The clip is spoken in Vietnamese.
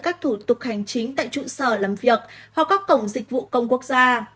các thủ tục hành chính tại trụ sở làm việc hoặc các cổng dịch vụ công quốc gia